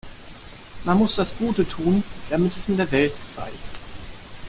Man muss das Gute tun, damit es in der Welt sei.